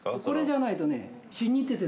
これじゃないとね